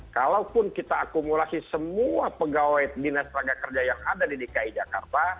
kalaupun kita akumulasi semua pegawai dinas tenaga kerja yang ada di dki jakarta